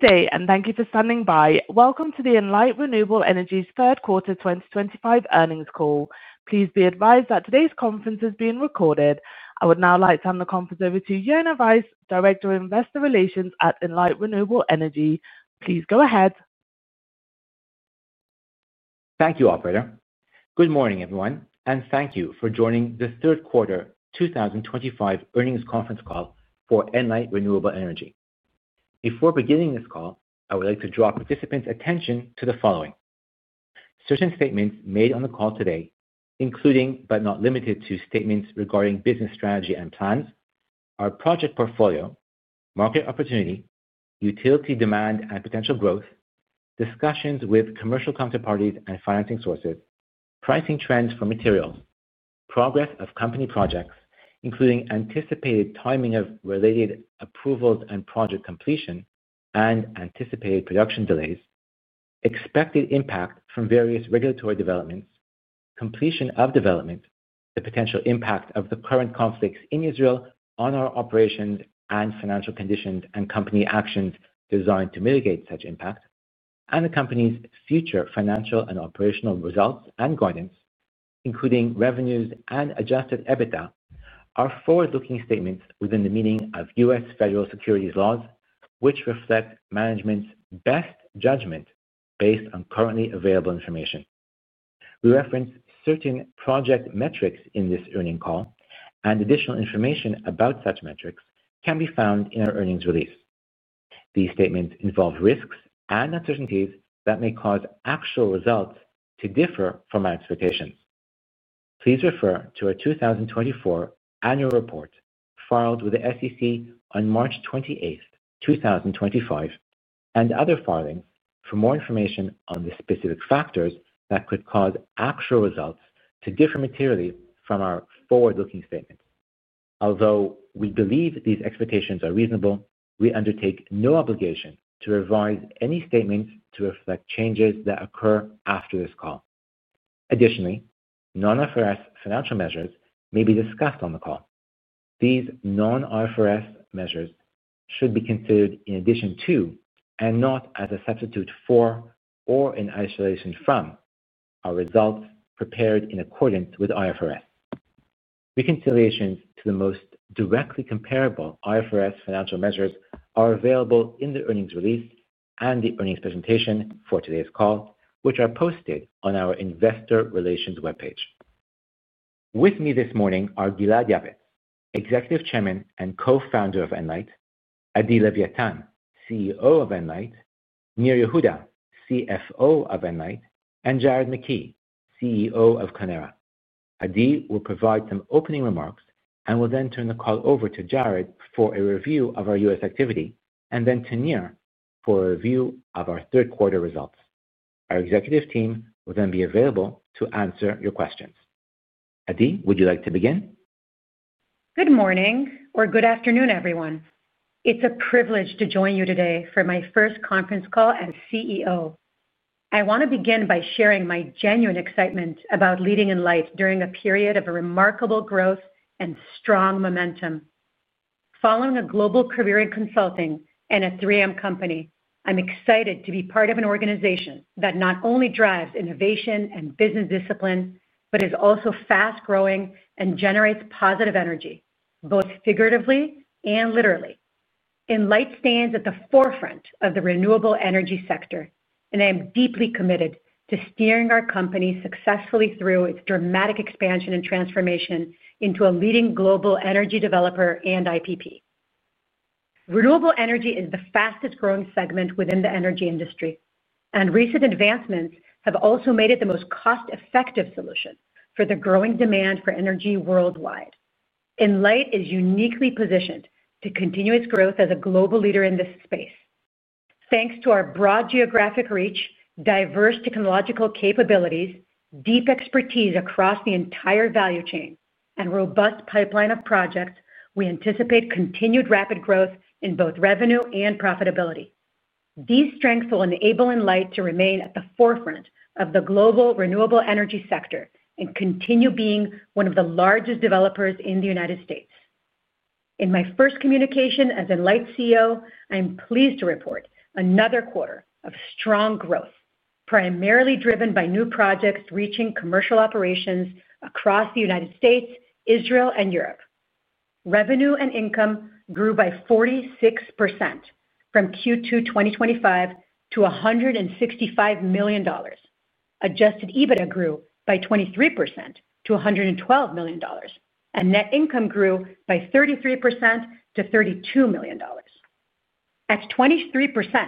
Good day, and thank you for standing by. Welcome to the Enlight Renewable Energy's third quarter 2025 earnings call. Please be advised that today's conference is being recorded. I would now like to hand the conference over to Yonah Weisz, Director of Investor Relations at Enlight Renewable Energy. Please go ahead. Thank you, Operator. Good morning, everyone, and thank you for joining this third quarter 2025 earnings conference call for Enlight Renewable Energy. Before beginning this call, I would like to draw participants' attention to the following. Certain statements made on the call today, including but not limited to statements regarding business strategy and plans, our project portfolio, market opportunity, utility demand and potential growth, discussions with commercial counterparties and financing sources, pricing trends for materials, progress of company projects, including anticipated timing of related approvals and project completion, and anticipated production delays, expected impact from various regulatory developments, completion of development, the potential impact of the current conflicts in Israel on our operations and financial conditions, and company actions designed to mitigate such impact, and the company's future financial and operational results and guidance, including revenues and adjusted EBITDA, are forward-looking statements within the meaning of U.S. federal securities laws, which reflect management's best judgment based on currently available information. We reference certain project metrics in this earnings call, and additional information about such metrics can be found in our earnings release. These statements involve risks and uncertainties that may cause actual results to differ from our expectations. Please refer to our 2024 annual report filed with the SEC on March 28, 2025, and other filings for more information on the specific factors that could cause actual results to differ materially from our forward-looking statements. Although we believe these expectations are reasonable, we undertake no obligation to revise any statements to reflect changes that occur after this call. Additionally, non-IFRS financial measures may be discussed on the call. These non-IFRS measures should be considered in addition to, and not as a substitute for, or in isolation from, our results prepared in accordance with IFRS. Reconciliations to the most directly comparable IFRS financial measures are available in the earnings release and the earnings presentation for today's call, which are posted on our Investor Relations web page. With me this morning are Gilad Yavetz, Executive Chairman and Co-founder of Enlight; Adi Leviatan, CEO of Enlight; Nir Yehuda, CFO of Enlight; and Jared Mckee, CEO of Clenera. Adi will provide some opening remarks and will then turn the call over to Jared for a review of our U.S. activity, and then to Nir for a review of our third quarter results. Our executive team will then be available to answer your questions. Adi, would you like to begin? Good morning, or good afternoon, everyone. It's a privilege to join you today for my first conference call as CEO. I want to begin by sharing my genuine excitement about leading Enlight during a period of remarkable growth and strong momentum. Following a global career in consulting and a 3M Company, I'm excited to be part of an organization that not only drives innovation and business discipline, but is also fast-growing and generates positive energy, both figuratively and literally. Enlight stands at the forefront of the renewable energy sector, and I am deeply committed to steering our company successfully through its dramatic expansion and transformation into a leading global energy developer and IPP. Renewable energy is the fastest-growing segment within the energy industry, and recent advancements have also made it the most cost-effective solution for the growing demand for energy worldwide. Enlight is uniquely positioned to continue its growth as a global leader in this space. Thanks to our broad geographic reach, diverse technological capabilities, deep expertise across the entire value chain, and robust pipeline of projects, we anticipate continued rapid growth in both revenue and profitability. These strengths will enable Enlight to remain at the forefront of the global renewable energy sector and continue being one of the largest developers in the United States. In my first communication as Enlight CEO, I'm pleased to report another quarter of strong growth, primarily driven by new projects reaching commercial operations across the United States, Israel, and Europe. Revenue and income grew by 46% from Q2 2025 to $165 million. Adjusted EBITDA grew by 23% to $112 million, and net income grew by 33% to $32 million. At 23%,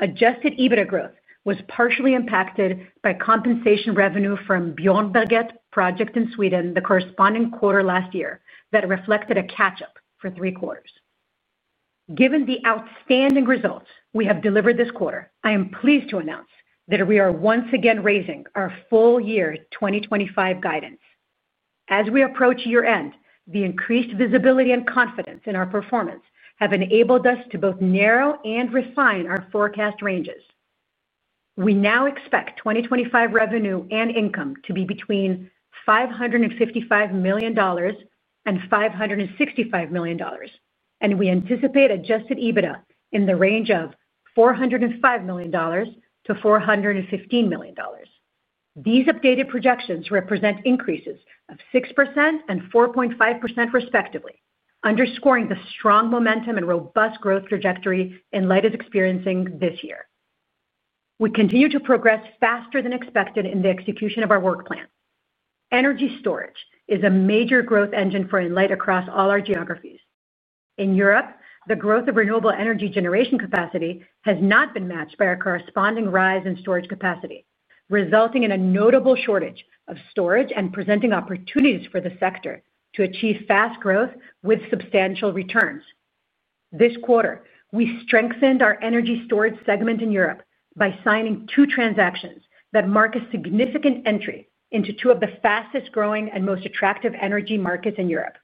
adjusted EBITDA growth was partially impacted by compensation revenue from Björnberget project in Sweden the corresponding quarter last year that reflected a catch-up for three quarters. Given the outstanding results we have delivered this quarter, I am pleased to announce that we are once again raising our full-year 2025 guidance. As we approach year-end, the increased visibility and confidence in our performance have enabled us to both narrow and refine our forecast ranges. We now expect 2025 revenue and income to be between $555 million and $565 million, and we anticipate adjusted EBITDA in the range of $405 million-$415 million. These updated projections represent increases of 6% and 4.5%, respectively, underscoring the strong momentum and robust growth trajectory Enlight is experiencing this year. We continue to progress faster than expected in the execution of our work plan. Energy storage is a major growth engine for Enlight across all our geographies. In Europe, the growth of renewable energy generation capacity has not been matched by a corresponding rise in storage capacity, resulting in a notable shortage of storage and presenting opportunities for the sector to achieve fast growth with substantial returns. This quarter, we strengthened our energy storage segment in Europe by signing two transactions that mark a significant entry into two of the fastest-growing and most attractive energy markets in Europe.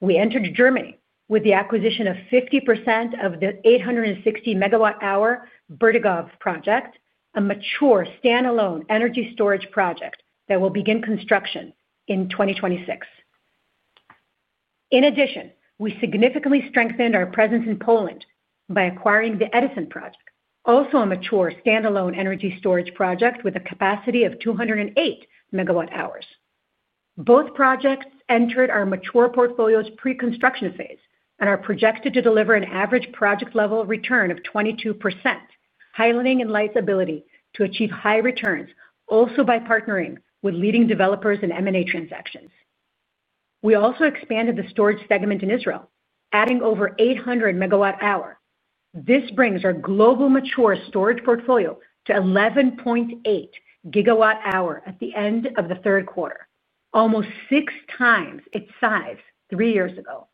We entered Germany with the acquisition of 50% of the 860 MWh Bertikow project, a mature standalone energy storage project that will begin construction in 2026. In addition, we significantly strengthened our presence in Poland by acquiring the Edison project, also a mature standalone energy storage project with a capacity of 208 MWh. Both projects entered our mature portfolio's pre-construction phase and are projected to deliver an average project-level return of 22%, highlighting Enlight's ability to achieve high returns also by partnering with leading developers in M&A transactions. We also expanded the storage segment in Israel, adding over 800 MWh. This brings our global mature storage portfolio to 11.8 GWh at the end of the third quarter, almost six times its size three years ago,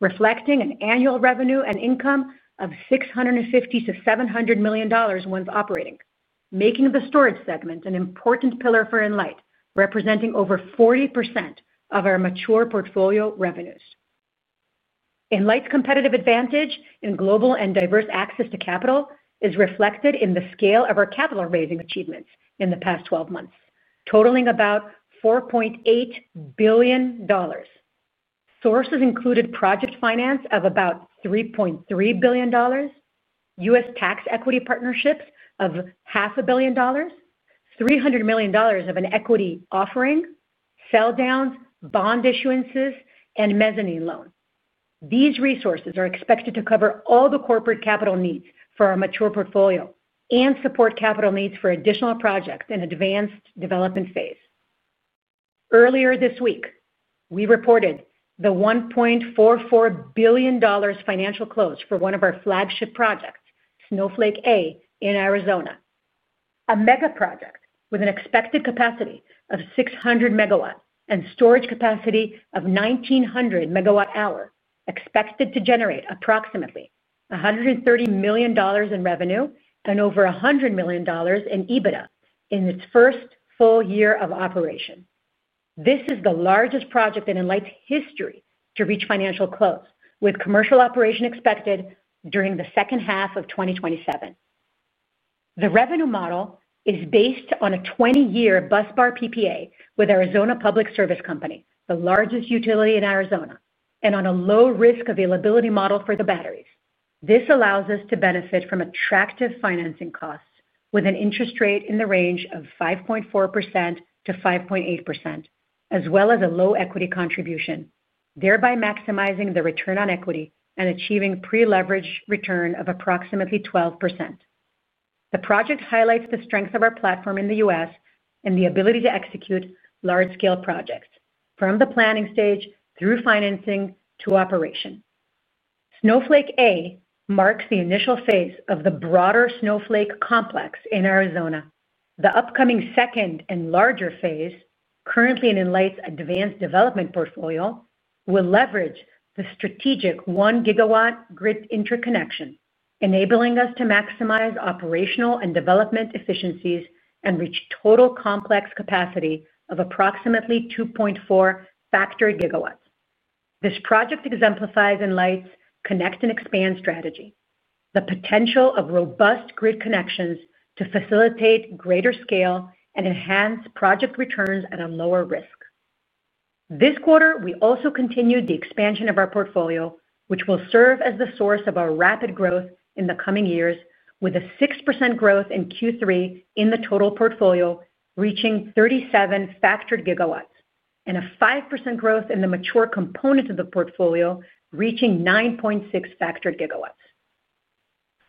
reflecting an annual revenue and income of $650 million-$700 million once operating, making the storage segment an important pillar for Enlight, representing over 40% of our mature portfolio revenues. Enlight's competitive advantage in global and diverse access to capital is reflected in the scale of our capital-raising achievements in the past 12 months, totaling about $4.8 billion. Sources included project finance of about $3.3 billion. U.S. Tax equity partnerships of $0.5 billion, $300 million of an equity offering, sell-downs, bond issuances, and mezzanine loans. These resources are expected to cover all the corporate capital needs for our mature portfolio and support capital needs for additional projects in advanced development phase. Earlier this week, we reported the $1.44 billion financial close for one of our flagship projects, Snowflake A in Arizona, a mega project with an expected capacity of 600 MW and storage capacity of 1,900 MWh, expected to generate approximately $130 million in revenue and over $100 million in EBITDA in its first full year of operation. This is the largest project in Enlight's history to reach financial close, with commercial operation expected during the second half of 2027. The revenue model is based on a 20-year busbar PPA with Arizona Public Service Company, the largest utility in Arizona, and on a low-risk availability model for the batteries. This allows us to benefit from attractive financing costs with an interest rate in the range of 5.4%-5.8%, as well as a low equity contribution, thereby maximizing the return on equity and achieving pre-leveraged return of approximately 12%. The project highlights the strength of our platform in the U.S. and the ability to execute large-scale projects, from the planning stage through financing to operation. Snowflake A marks the initial phase of the broader Snowflake complex in Arizona. The upcoming second and larger phase, currently in Enlight's advanced development portfolio, will leverage the strategic 1 GW grid interconnection, enabling us to maximize operational and development efficiencies and reach total complex capacity of approximately 2.4 GW. This project exemplifies Enlight's connect-and-expand strategy, the potential of robust grid connections to facilitate greater scale and enhance project returns at a lower risk. This quarter, we also continue the expansion of our portfolio, which will serve as the source of our rapid growth in the coming years, with a 6% growth in Q3 in the total portfolio reaching 37 FGW and a 5% growth in the mature component of the portfolio reaching 9.6 FGW.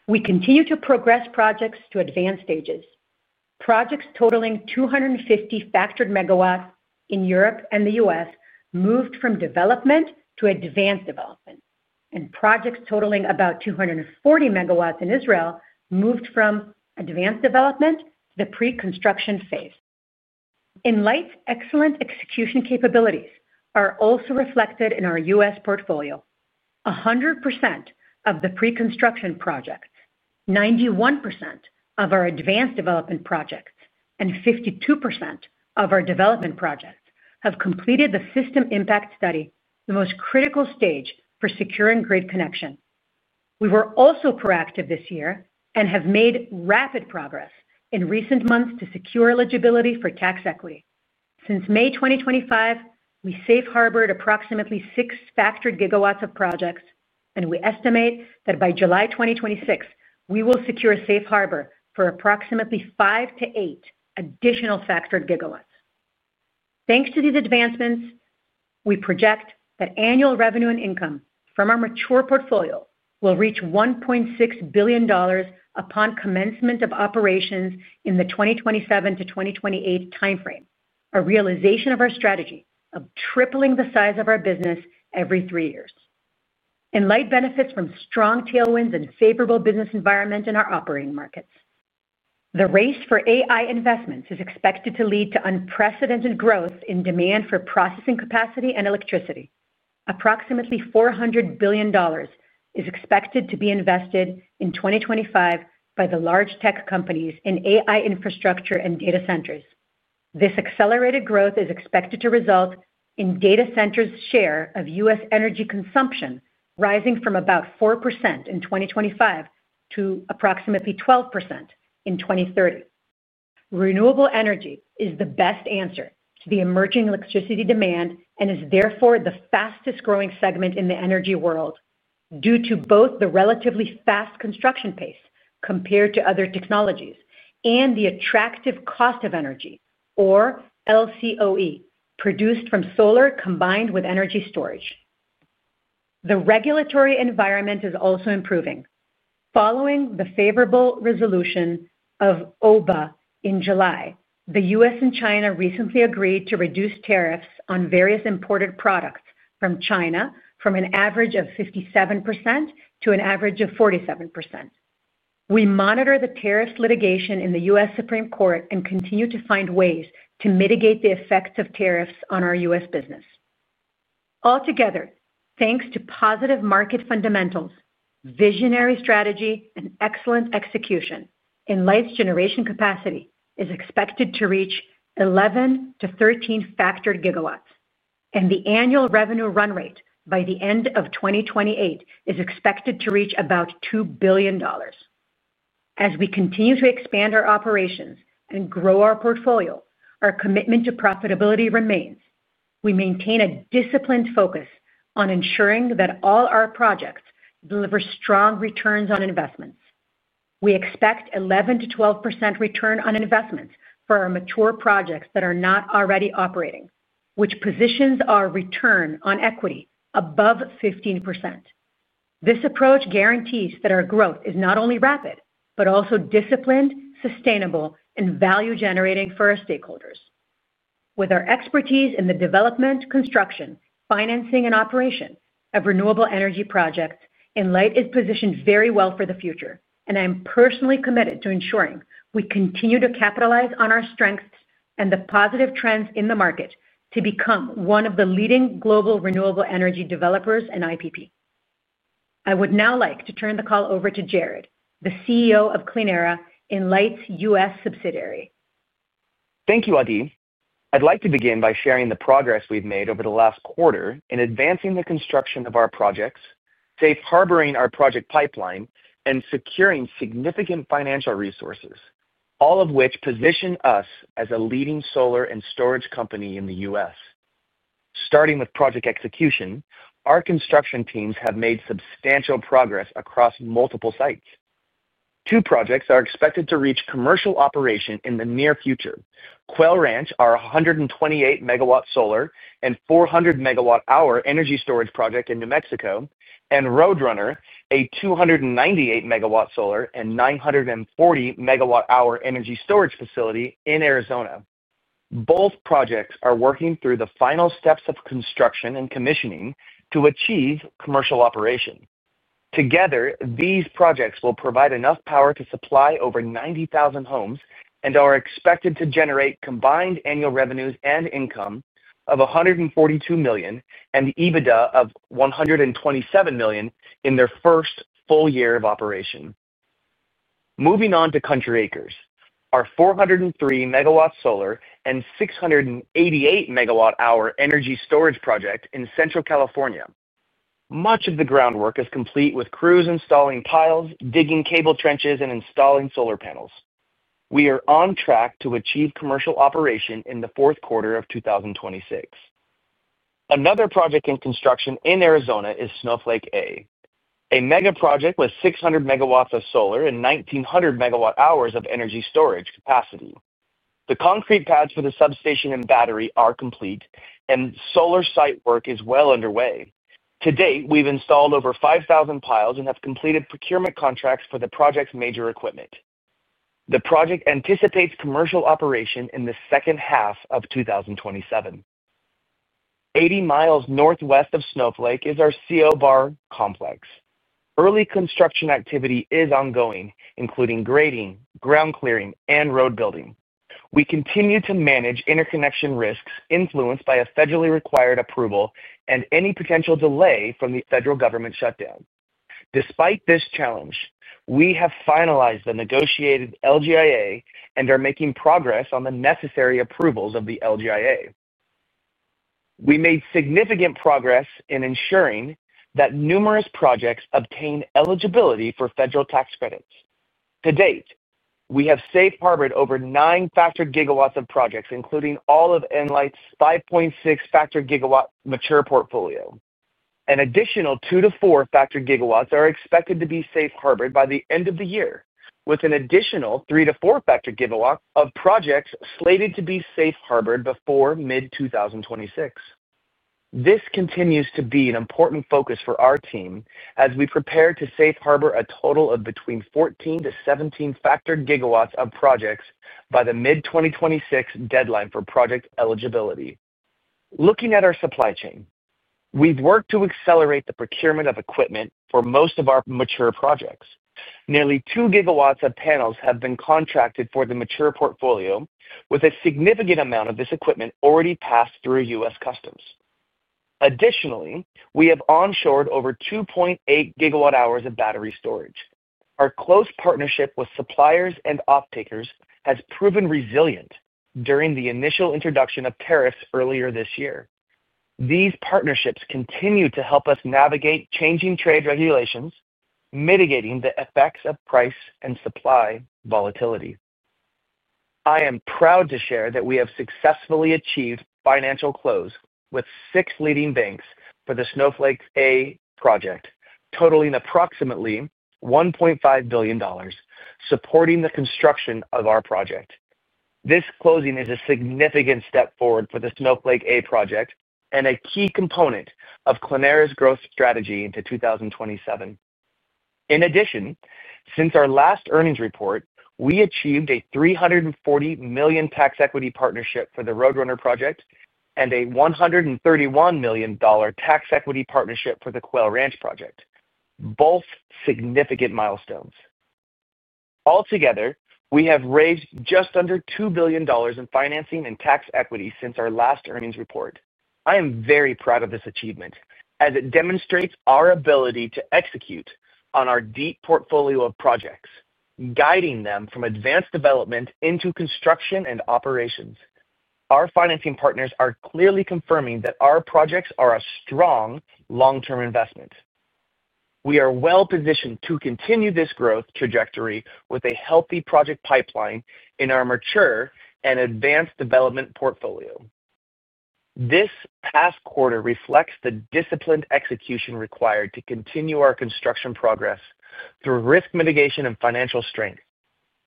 We continue to progress projects to advanced stages. Projects totaling 250 FMW in Europe and the U.S. moved from development to advanced development, and projects totaling about 240 MW in Israel moved from advanced development to the pre-construction phase. Enlight's excellent execution capabilities are also reflected in our U.S. portfolio. 100% of the pre-construction projects, 91% of our advanced development projects, and 52% of our development projects have completed the system impact study, the most critical stage for securing grid connection. We were also proactive this year and have made rapid progress in recent months to secure eligibility for tax equity. Since May 2025, we safe-harbored approximately 6 FGW of projects, and we estimate that by July 2026, we will secure a safe harbor for approximately 5-8 additional FGW. Thanks to these advancements, we project that annual revenue and income from our mature portfolio will reach $1.6 billion upon commencement of operations in the 2027 to 2028 timeframe, a realization of our strategy of tripling the size of our business every three years. Enlight benefits from strong tailwinds and favorable business environment in our operating markets. The race for AI investments is expected to lead to unprecedented growth in demand for processing capacity and electricity. Approximately $400 billion is expected to be invested in 2025 by the large tech companies in AI infrastructure and data centers. This accelerated growth is expected to result in data centers' share of U.S. energy consumption rising from about 4% in 2025 to approximately 12% in 2030. Renewable energy is the best answer to the emerging electricity demand and is therefore the fastest-growing segment in the energy world due to both the relatively fast construction pace compared to other technologies and the attractive cost of energy, or LCOE, produced from solar combined with energy storage. The regulatory environment is also improving. Following the favorable resolution of OBBBA in July, the U.S. and China recently agreed to reduce tariffs on various imported products from China from an average of 57% to an average of 47%. We monitor the tariffs litigation in the U.S. Supreme Court and continue to find ways to mitigate the effects of tariffs on our U.S. business. Altogether, thanks to positive market fundamentals, visionary strategy, and excellent execution, Enlight's generation capacity is expected to reach 11-13 FGW, and the annual revenue run rate by the end of 2028 is expected to reach about $2 billion. As we continue to expand our operations and grow our portfolio, our commitment to profitability remains. We maintain a disciplined focus on ensuring that all our projects deliver strong returns on investments. We expect 11%-12% return on investments for our mature projects that are not already operating, which positions our return on equity above 15%. This approach guarantees that our growth is not only rapid but also disciplined, sustainable, and value-generating for our stakeholders. With our expertise in the development, construction, financing, and operation of renewable energy projects, Enlight is positioned very well for the future, and I am personally committed to ensuring we continue to capitalize on our strengths and the positive trends in the market to become one of the leading global renewable energy developers and IPP. I would now like to turn the call over to Jared, the CEO of Clenera, Enlight's U.S. subsidiary. Thank you, Adi. I'd like to begin by sharing the progress we've made over the last quarter in advancing the construction of our projects, safe-harboring our project pipeline, and securing significant financial resources, all of which position us as a leading solar and storage company in the U.S. Starting with project execution, our construction teams have made substantial progress across multiple sites. Two projects are expected to reach commercial operation in the near future. QUELL Ranch, our 128 MW solar and 400 MWh energy storage project in New Mexico, and Road Runner, a 298 MW solar and 940 MWh energy storage facility in Arizona. Both projects are working through the final steps of construction and commissioning to achieve commercial operation. Together, these projects will provide enough power to supply over 90,000 homes and are expected to generate combined annual revenues and income of $142 million and EBITDA of $127 million in their first full year of operation. Moving on to Country Acres, our 403 MW solar and 688 MWh energy storage project in Central California. Much of the groundwork is complete, with crews installing piles, digging cable trenches, and installing solar panels. We are on track to achieve commercial operation in the fourth quarter of 2026. Another project in construction in Arizona is Snowflake A, a mega project with 600 MW of solar and 1,900 MWh of energy storage capacity. The concrete pads for the substation and battery are complete, and solar site work is well underway. To date, we've installed over 5,000 piles and have completed procurement contracts for the project's major equipment. The project anticipates commercial operation in the second half of 2027. 80 mi northwest of Snowflake is our CO Bar complex. Early construction activity is ongoing, including grading, ground clearing, and road building. We continue to manage interconnection risks influenced by a federally required approval and any potential delay from the federal government shutdown. Despite this challenge, we have finalized the negotiated LGIA and are making progress on the necessary approvals of the LGIA. We made significant progress in ensuring that numerous projects obtain eligibility for federal tax credits. To date, we have safe-harbored over 9 FGW of projects, including all of Enlight's 5.6 FGW mature portfolio. An additional 2 FGW-4 FGW are expected to be safe-harbored by the end of the year, with an additional 3 FGW-4 FGW of projects slated to be safe-harbored before mid-2026. This continues to be an important focus for our team as we prepare to safe-harbor a total of between 14 FGW-17 FGW of projects by the mid-2026 deadline for project eligibility. Looking at our supply chain, we've worked to accelerate the procurement of equipment for most of our mature projects. Nearly 2 GW of panels have been contracted for the mature portfolio, with a significant amount of this equipment already passed through U.S. customs. Additionally, we have onshored over 2.8 GWh of battery storage. Our close partnership with suppliers and off-takers has proven resilient during the initial introduction of tariffs earlier this year. These partnerships continue to help us navigate changing trade regulations, mitigating the effects of price and supply volatility. I am proud to share that we have successfully achieved financial close with six leading banks for the Snowflake A project, totaling approximately $1.5 billion, supporting the construction of our project. This closing is a significant step forward for the Snowflake A project and a key component of Clenera's growth strategy into 2027. In addition, since our last earnings report, we achieved a $340 million tax equity partnership for the Roadrunner project and a $131 million tax equity partnership for the Quail Ranch project, both significant milestones. Altogether, we have raised just under $2 billion in financing and tax equity since our last earnings report. I am very proud of this achievement as it demonstrates our ability to execute on our deep portfolio of projects, guiding them from advanced development into construction and operations. Our financing partners are clearly confirming that our projects are a strong long-term investment. We are well-positioned to continue this growth trajectory with a healthy project pipeline in our mature and advanced development portfolio. This past quarter reflects the disciplined execution required to continue our construction progress through risk mitigation and financial strength.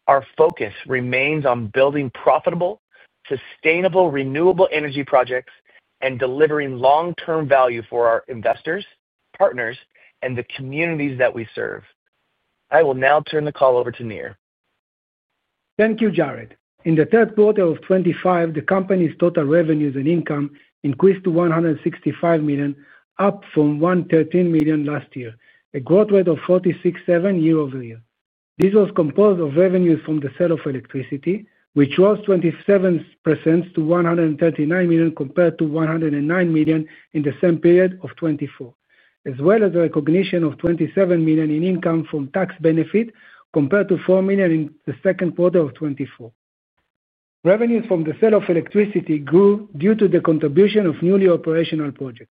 Our focus remains on building profitable, sustainable renewable energy projects and delivering long-term value for our investors, partners, and the communities that we serve. I will now turn the call over to Nir. Thank you, Jared. In the third quarter of 2025, the company's total revenues and income increased to $165 million, up from $113 million last year, a growth rate of 46.7% year over year. This was composed of revenues from the sale of electricity, which rose 27% to $139 million compared to $109 million in the same period of 2024, as well as the recognition of $27 million in income from tax benefit compared to $4 million in the second quarter of 2024. Revenues from the sale of electricity grew due to the contribution of newly operational projects.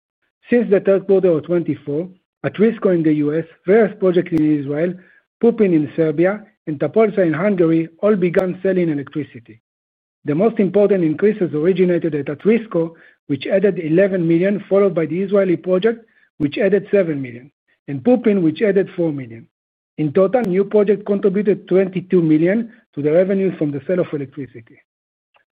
Since the third quarter of 2024, Atwisko in the U.S., Reyes Project in Israel, Pupin in Serbia, and Tapolca in Hungary all began selling electricity. The most important increases originated at Atwisko, which added $11 million, followed by the Israeli project, which added $7 million, and Pupin, which added $4 million. In total, new projects contributed $22 million to the revenues from the sale of electricity.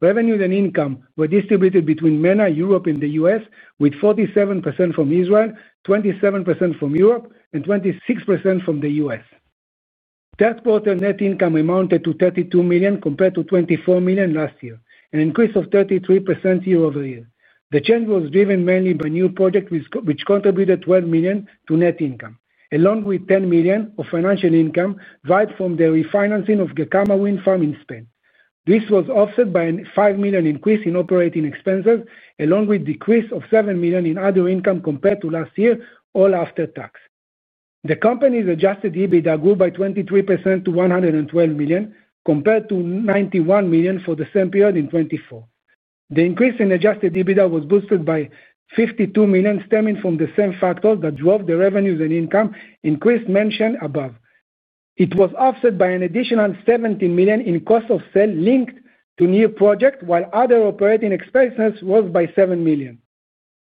Revenues and income were distributed between MENA, Europe, and the U.S., with 47% from Israel, 27% from Europe, and 26% from the U.S. Third quarter net income amounted to $32 million compared to $24 million last year, an increase of 33% year over year. The change was driven mainly by new projects, which contributed $12 million to net income, along with $10 million of financial income from the refinancing of Gecama wind farm in Spain. This was offset by a $5 million increase in operating expenses, along with a decrease of $7 million in other income compared to last year, all after tax. The company's adjusted EBITDA grew by 23% to $112 million compared to $91 million for the same period in 2024. The increase in adjusted EBITDA was boosted by $52 million, stemming from the same factors that drove the revenues and income increase mentioned above. It was offset by an additional $17 million in cost of sale linked to new projects, while other operating expenses rose by $7 million.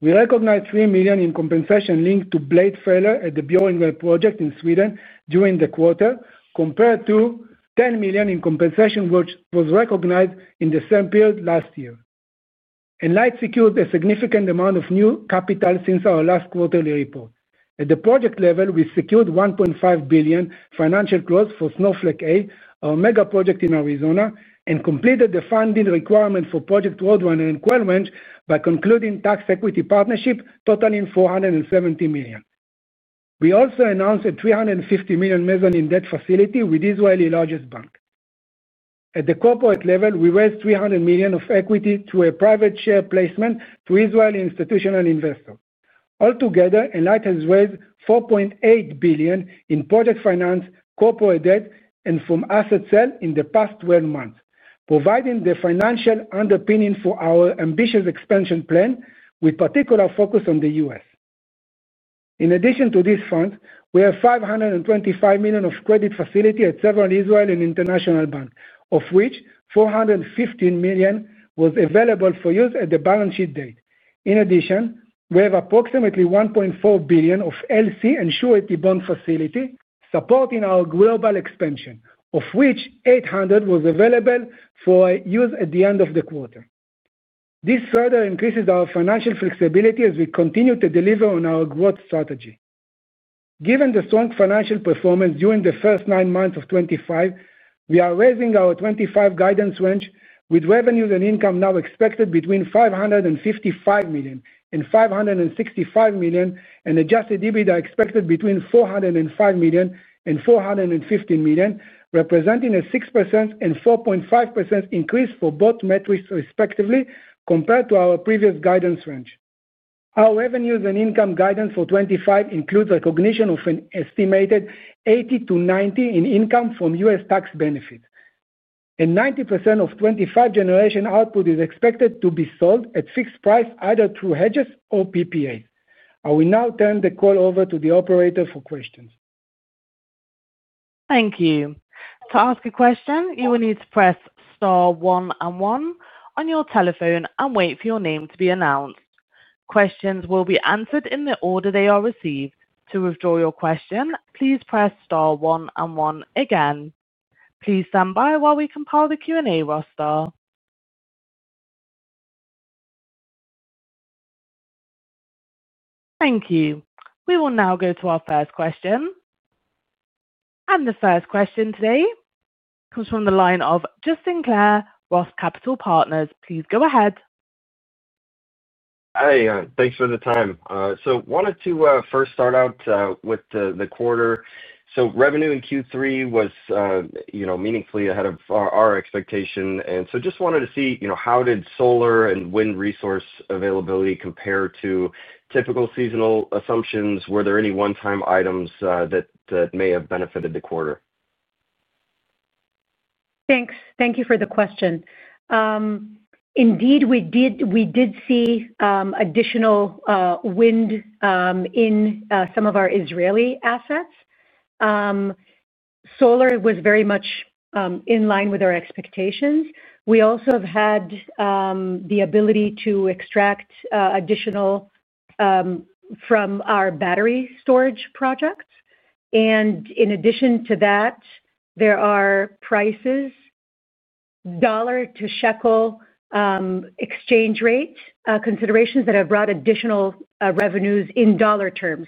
We recognized $3 million in compensation linked to blade failure at the Björnberget project in Sweden during the quarter, compared to $10 million in compensation, which was recognized in the same period last year. Enlight secured a significant amount of new capital since our last quarterly report. At the project level, we secured $1.5 billion financial close for Snowflake A, our mega project in Arizona, and completed the funding requirement for Project Roadrunner and Quail Ranch by concluding tax equity partnership, totaling $470 million. We also announced a $350 million mezzanine debt facility with Israel's largest bank. At the corporate level, we raised $300 million of equity through a private share placement to Israeli institutional investors. Altogether, Enlight has raised $4.8 billion in project finance, corporate debt, and from asset sale in the past 12 months, providing the financial underpinning for our ambitious expansion plan, with particular focus on the U.S. In addition to these funds, we have $525 million of credit facility at several Israeli and international banks, of which $415 million was available for use at the balance sheet date. In addition, we have approximately $1.4 billion of LC and surety bond facility supporting our global expansion, of which $800 million was available for use at the end of the quarter. This further increases our financial flexibility as we continue to deliver on our growth strategy. Given the strong financial performance during the first nine months of 2025, we are raising our 2025 guidance range, with revenues and income now expected between $555 million and $565 million, and adjusted EBITDA expected between $405 million and $415 million, representing a 6% and 4.5% increase for both metrics, respectively, compared to our previous guidance range. Our revenues and income guidance for 2025 includes recognition of an estimated 80%-90% in income from U.S. tax benefits. 90% of 2025 generation output is expected to be sold at fixed price, either through hedges or PPA. I will now turn the call over to the operator for questions. Thank you. To ask a question, you will need to press star one and one on your telephone and wait for your name to be announced. Questions will be answered in the order they are received. To withdraw your question, please press star one and one again. Please stand by while we compile the Q&A roster. Thank you. We will now go to our first question. The first question today comes from the line of Justin Clare, ROTH Capital Partners. Please go ahead. Hi, thanks for the time. I wanted to first start out with the quarter. Revenue in Q3 was meaningfully ahead of our expectation. I just wanted to see, how did solar and wind resource availability compare to typical seasonal assumptions? Were there any one-time items that may have benefited the quarter? Thanks. Thank you for the question. Indeed, we did see additional wind in some of our Israeli assets. Solar was very much in line with our expectations. We also have had the ability to extract additional from our battery storage projects. In addition to that, there are prices, dollar-to-shekel exchange rate considerations that have brought additional revenues in dollar terms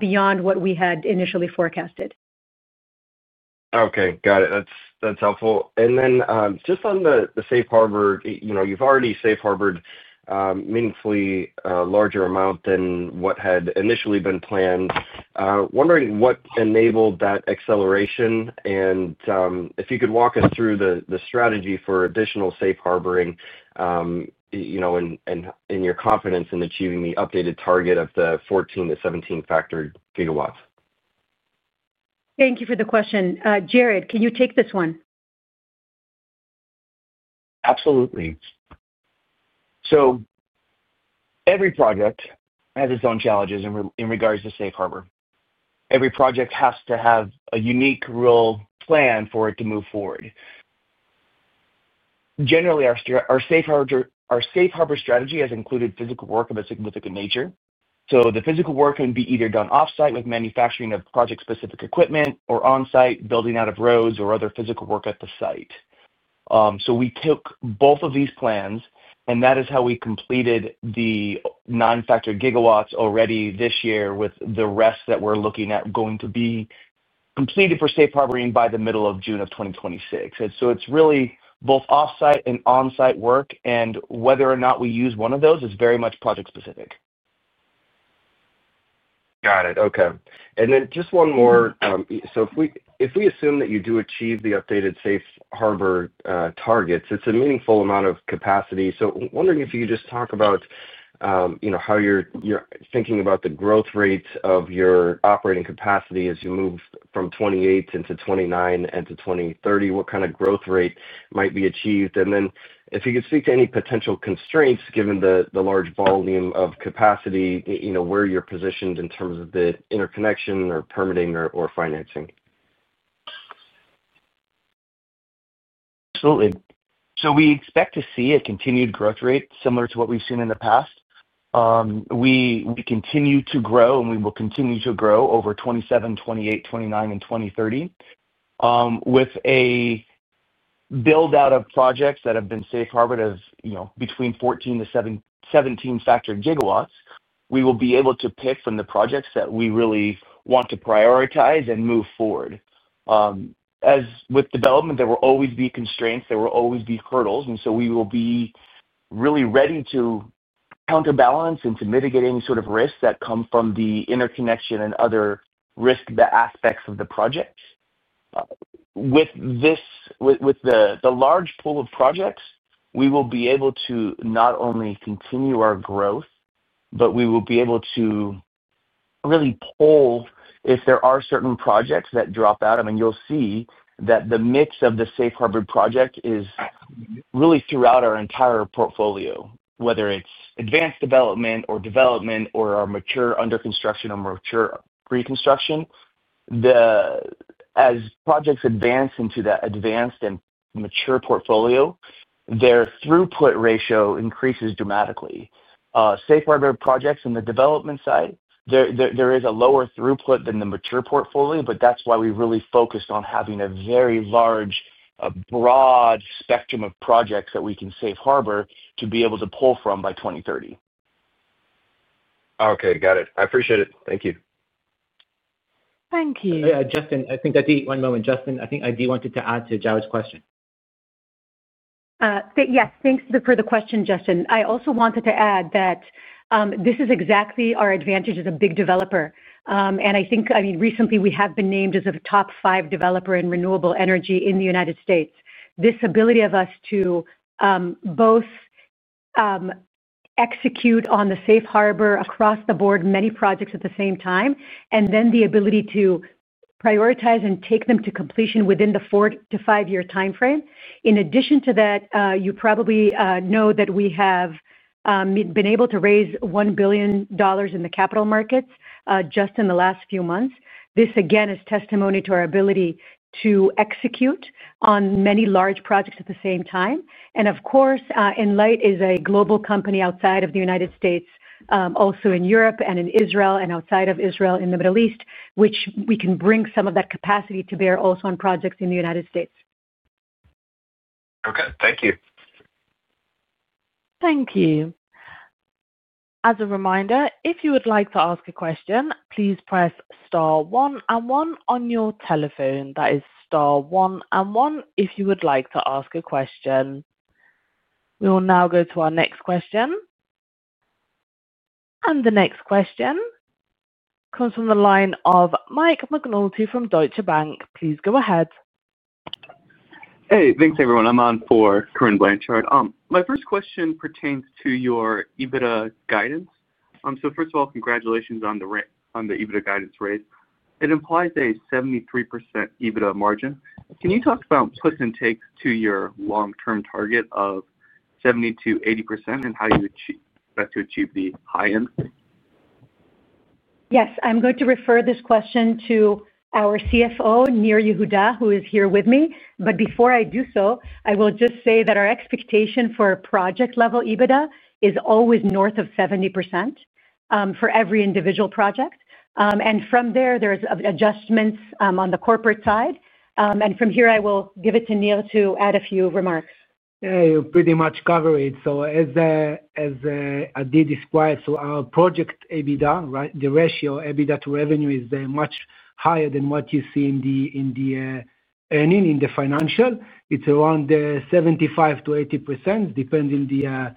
beyond what we had initially forecasted. Okay. Got it. That's helpful. Just on the safe harbor, you've already safe harbored meaningfully a larger amount than what had initially been planned. Wondering what enabled that acceleration and if you could walk us through the strategy for additional safe harboring and your confidence in achieving the updated target of the 14 FGW-17 FGW. Thank you for the question. Jared, can you take this one? Absolutely. Every project has its own challenges in regards to safe harbor. Every project has to have a unique real plan for it to move forward. Generally, our safe harbor strategy has included physical work of a significant nature. The physical work can be either done offsite with manufacturing of project-specific equipment or onsite, building out of roads or other physical work at the site. We took both of these plans, and that is how we completed the 9 FGW already this year with the rest that we are looking at going to be completed for safe harboring by the middle of June of 2026. It is really both offsite and onsite work, and whether or not we use one of those is very much project-specific. Got it. Okay. Just one more. If we assume that you do achieve the updated safe harbor targets, it is a meaningful amount of capacity. Wondering if you could just talk about how you're thinking about the growth rates of your operating capacity as you move from 2028 into 2029 and to 2030, what kind of growth rate might be achieved. If you could speak to any potential constraints given the large volume of capacity, where you're positioned in terms of the interconnection or permitting or financing. Absolutely. We expect to see a continued growth rate similar to what we've seen in the past. We continue to grow, and we will continue to grow over 2027, 2028, 2029, and 2030 with a build-out of projects that have been safe harbored of between 14 FGW-17 FGW. We will be able to pick from the projects that we really want to prioritize and move forward. As with development, there will always be constraints. There will always be hurdles. We will be really ready to counterbalance and to mitigate any sort of risks that come from the interconnection and other risk aspects of the projects. With the large pool of projects, we will be able to not only continue our growth, but we will be able to really pull if there are certain projects that drop out. I mean, you'll see that the mix of the safe harbor project is really throughout our entire portfolio, whether it's advanced development or development or our mature under construction or mature pre-construction. As projects advance into that advanced and mature portfolio, their throughput ratio increases dramatically. Safe harbor projects on the development side, there is a lower throughput than the mature portfolio, but that's why we really focused on having a very large, broad spectrum of projects that we can safe harbor to be able to pull from by 2030. Okay. Got it. I appreciate it. Thank you. Thank you. Justin, I think I do—one moment, Justin. I think Adi wanted to add to those questions. Yes. Thanks for the question, Justin. I also wanted to add that this is exactly our advantage as a big developer. I think, I mean, recently we have been named as a top five developer in renewable energy in the United States. This ability of us to both execute on the safe harbor across the board, many projects at the same time, and then the ability to prioritize and take them to completion within the four- to five-year timeframe. In addition to that, you probably know that we have been able to raise $1 billion in the capital markets just in the last few months. This, again, is testimony to our ability to execute on many large projects at the same time. Of course, Enlight is a global company outside of the United States, also in Europe and in Israel and outside of Israel in the Middle East, which we can bring some of that capacity to bear also on projects in the United States. Okay. Thank you. Thank you. As a reminder, if you would like to ask a question, please press star one and one on your telephone. That is star one and one if you would like to ask a question. We will now go to our next question. The next question comes from the line of Mike McNulty from Deutsche Bank. Please go ahead. Hey. Thanks, everyone. I'm on for Corinne Blanchard. My first question pertains to your EBITDA guidance. First of all, congratulations on the EBITDA guidance raise. It implies a 73% EBITDA margin. Can you talk about what's in take to your long-term target of 70%-80% and how you best to achieve the high end? Yes. I'm going to refer this question to our CFO, Nir Yehuda, who is here with me. Before I do so, I will just say that our expectation for project-level EBITDA is always north of 70% for every individual project. From there, there are adjustments on the corporate side. From here, I will give it to Nir to add a few remarks. Yeah. You pretty much covered it. As I did describe, our project EBITDA, right, the ratio EBITDA to revenue is much higher than what you see in the earning in the financial. It's around 75%-80%, depending in the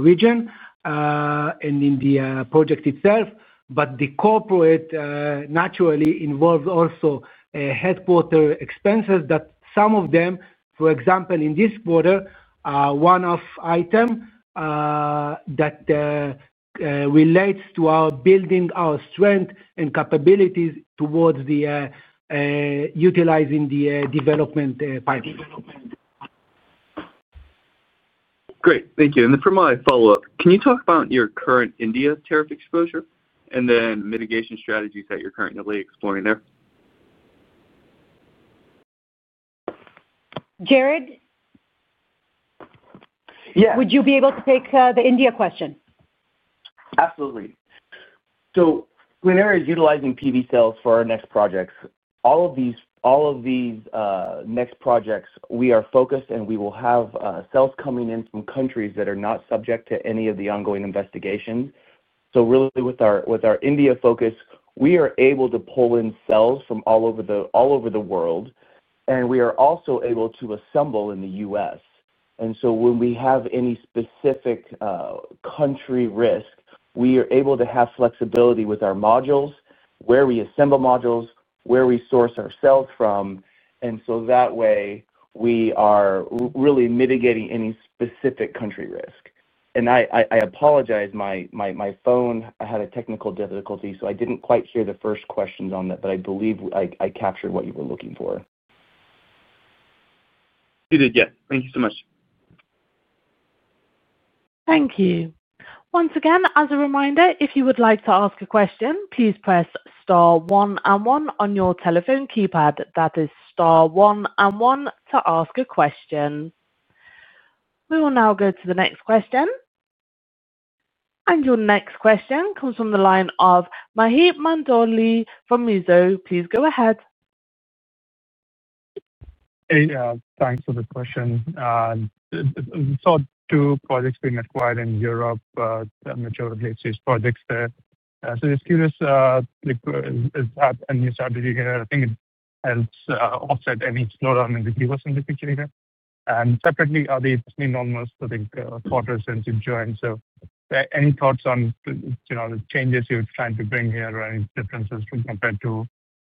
region and in the project itself. The corporate naturally involves also headquarter expenses that some of them, for example, in this quarter, one-off item that relates to our building, our strength, and capabilities towards utilizing the development partners. Great. Thank you. For my follow-up, can you talk about your current India tariff exposure and then mitigation strategies that you're currently exploring there? Jared? Yeah. Would you be able to take the India question? Absolutely. Whenever utilizing PV cells for our next projects, all of these next projects, we are focused, and we will have cells coming in from countries that are not subject to any of the ongoing investigations. Really, with our India focus, we are able to pull in cells from all over the world, and we are also able to assemble in the U.S. When we have any specific country risk, we are able to have flexibility with our modules, where we assemble modules, where we source our cells from. That way, we are really mitigating any specific country risk. I apologize. My phone, I had a technical difficulty, so I did not quite hear the first questions on that, but I believe I captured what you were looking for. You did. Yes. Thank you so much. Thank you. Once again, as a reminder, if you would like to ask a question, please press star one and one on your telephone keypad. That is star one and one to ask a question. We will now go to the next question. Your next question comes from the line of Maheep Mandloi from Mizuho. Please go ahead. Hey. Thanks for the question. Two projects being acquired in Europe, mature research projects there. Just curious, is that a new strategy here? I think it helps offset any slowdown in the gigawatts in the future here. Separately, are they almost, I think, quarter since you've joined? Any thoughts on the changes you're trying to bring here or any differences compared to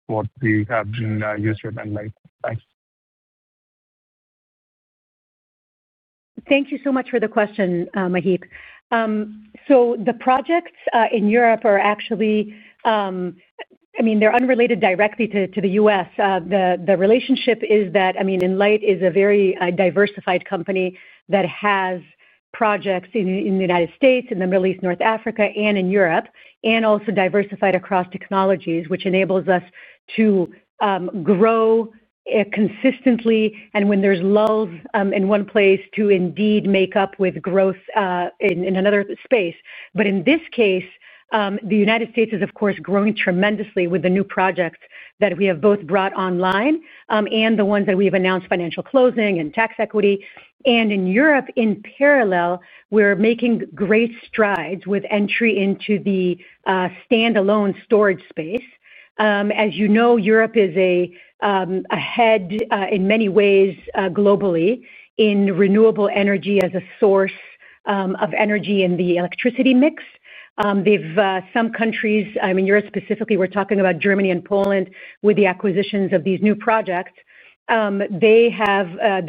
what we have been used to at Enlight? Thanks. Thank you so much for the question, Maheep. The projects in Europe are actually—I mean, they're unrelated directly to the U.S. The relationship is that, I mean, Enlight is a very diversified company that has projects in the United States, in the Middle East, North Africa, and in Europe, and also diversified across technologies, which enables us to grow consistently. When there's lulls in one place to indeed make up with growth in another space. In this case, the United States is, of course, growing tremendously with the new projects that we have both brought online and the ones that we have announced, financial closing and tax equity. In Europe, in parallel, we're making great strides with entry into the standalone storage space. As you know, Europe is ahead in many ways globally in renewable energy as a source of energy in the electricity mix. Some countries—I mean, Europe specifically, we're talking about Germany and Poland with the acquisitions of these new projects—they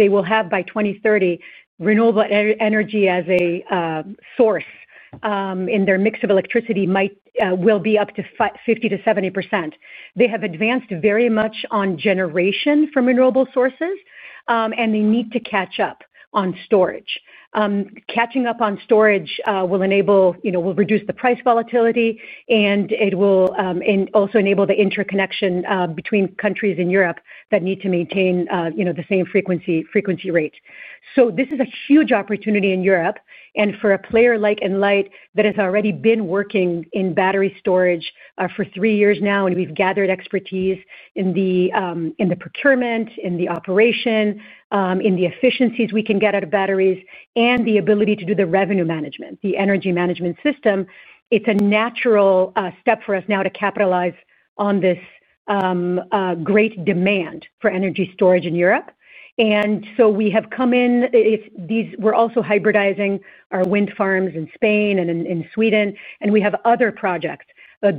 will have, by 2030, renewable energy as a source in their mix of electricity. It will be up to 50%-70%. They have advanced very much on generation from renewable sources, and they need to catch up on storage. Catching up on storage will reduce the price volatility, and it will also enable the interconnection between countries in Europe that need to maintain the same frequency rate. This is a huge opportunity in Europe. For a player like Enlight that has already been working in battery storage for three years now, and we've gathered expertise in the procurement, in the operation, in the efficiencies we can get out of batteries, and the ability to do the revenue management, the energy management system, it's a natural step for us now to capitalize on this great demand for energy storage in Europe. We have come in—we're also hybridizing our wind farms in Spain and in Sweden, and we have other projects.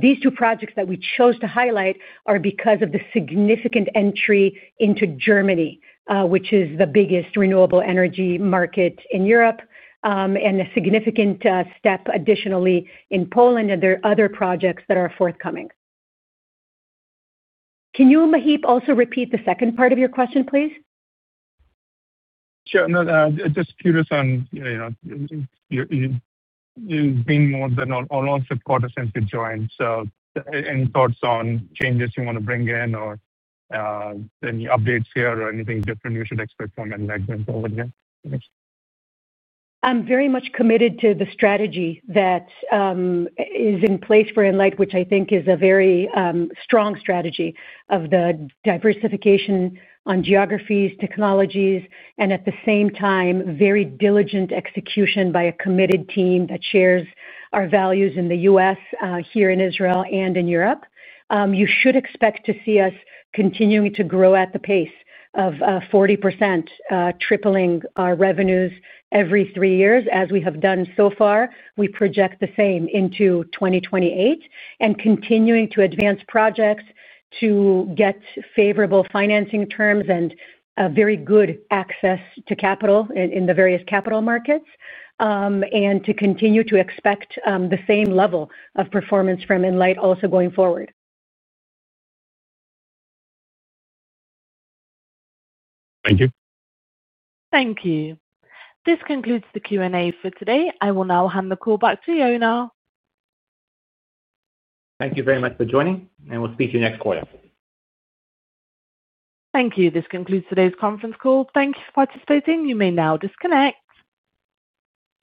These two projects that we chose to highlight are because of the significant entry into Germany, which is the biggest renewable energy market in Europe, and a significant step additionally in Poland, and there are other projects that are forthcoming. Can you, Maheep, also repeat the second part of your question, please? Sure. Just curious on you've been more than almost a quarter since you joined. So any thoughts on changes you want to bring in or any updates here or anything different you should expect from Enlight going forward here? I'm very much committed to the strategy that is in place for Enlight, which I think is a very strong strategy of the diversification on geographies, technologies, and at the same time, very diligent execution by a committed team that shares our values in the U.S., here in Israel, and in Europe. You should expect to see us continuing to grow at the pace of 40%, tripling our revenues every three years, as we have done so far. We project the same into 2028 and continuing to advance projects to get favorable financing terms and very good access to capital in the various capital markets and to continue to expect the same level of performance from Enlight also going forward. Thank you. Thank you. This concludes the Q&A for today. I will now hand the call back to Yonah. Thank you very much for joining, and we'll speak to you next quarter. Thank you. This concludes today's conference call. Thank you for participating. You may now disconnect.